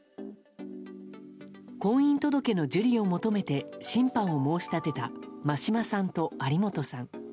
婚姻届の受理を求めて審判を申し立てた真島さんと有本さん。